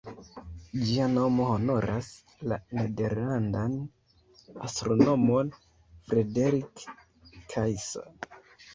Ĝia nomo honoras la nederlandan astronomon Frederik Kaiser.